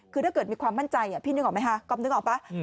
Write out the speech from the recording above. คือถ้าเกิดมีความมั่นใจพี่นึกออกไหมคะก๊อปนึกออกป่ะ